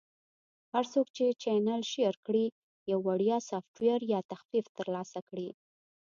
- هر څوک چې چینل Share کړي، یو وړیا سافټویر یا تخفیف ترلاسه کړي.